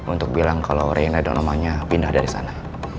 untuk bilang kalau reina dan namanya pindah dari sana